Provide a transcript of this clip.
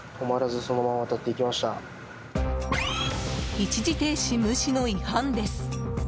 一時停止無視の違反です。